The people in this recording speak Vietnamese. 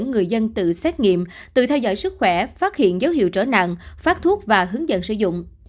người dân tự xét nghiệm tự theo dõi sức khỏe phát hiện dấu hiệu trở nặng phát thuốc và hướng dẫn sử dụng